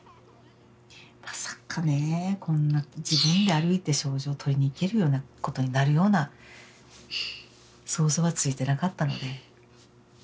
まさかねこんな自分で歩いて賞状取りに行けるようなことになるような想像はついてなかったので。